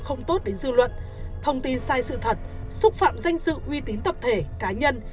không tốt đến dư luận thông tin sai sự thật xúc phạm danh dự uy tín tập thể cá nhân